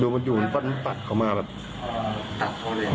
ดูมันอยู่มันตัดเข้ามาแบบ